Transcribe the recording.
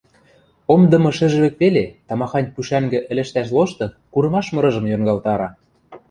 Омдымы шӹжвӹк веле тамахань пушӓнгӹ ӹлӹштӓш лошты курымаш мырыжым йонгалтара